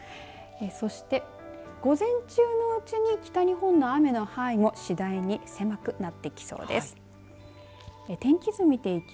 そして、午前中のうちに北日本の雨の範囲も次第に狭くなってきそうです。